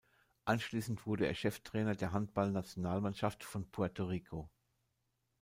Anschließend wurde er Cheftrainer der Handball-Nationalmannschaft von Puerto Rico.